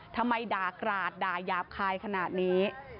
ทำไมด่ากราดด่ายาบคายขนาดนี้